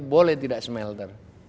boleh tidak smelter